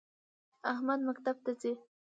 احمد مکتب ته ځی